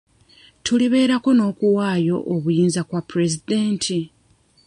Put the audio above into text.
Tulibeerako n'okuwaayo obuyinza kwa pulezidenti?